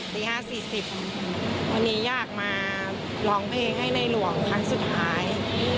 ตี๕๔๐วันนี้อยากมาร้องเพลงให้ในหลวงครั้งสุดท้าย